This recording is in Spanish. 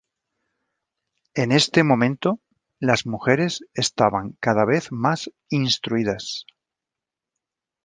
En este momento, las mujeres estaban cada vez más instruidas.